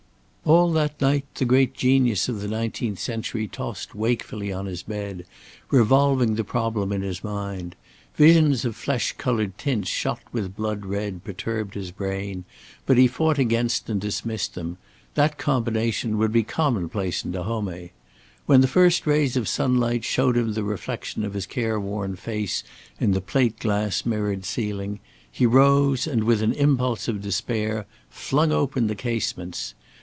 All that night, the great genius of the nineteenth century tossed wakefully on his bed revolving the problem in his mind. Visions of flesh coloured tints shot with blood red perturbed his brain, but he fought against and dismissed them; that combination would be commonplace in Dahomey. When the first rays of sunlight showed him the reflection of his careworn face in the plate glass mirrored ceiling, he rose and, with an impulse of despair, flung open the casements.